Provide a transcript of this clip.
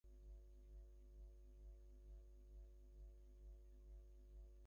আকিকা উপলক্ষে নেত্রকোণা শহরের প্রায় সবাইকে তিনি নিমন্ত্রণ করেন।